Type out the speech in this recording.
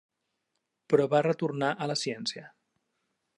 Però va retornar a la ciència.